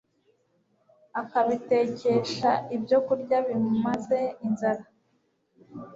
akabitekesha ibyo kurya bimumaze inzara